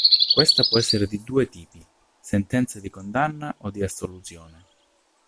Questa può essere di due tipi: sentenza di condanna o di assoluzione.